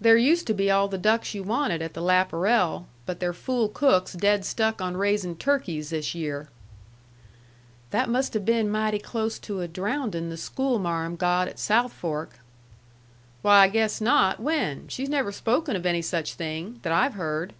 "There used to be all the ducks you wanted at the Laparel, but their fool cook's dead stuck on raising turkeys this year." "That must have been mighty close to a drowndin' the schoolmarm got at South Fork." "Why, I guess not. When? She's never spoken of any such thing that I've heard."